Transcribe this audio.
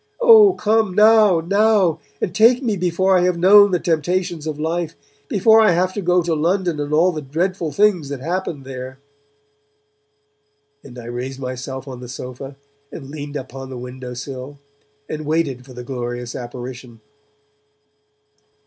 Oh, come now, now, and take me before I have known the temptations of life, before I have to go to London and all the dreadful things that happen there!' And I raised myself on the sofa, and leaned upon the window sill, and waited for the glorious apparition.